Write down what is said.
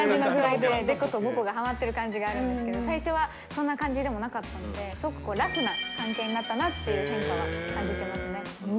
でことぼこがはまった感じがあるんですけど、最初はそんな感じでもなかったので、すごくラフな関係になったなという変化は感じていますね。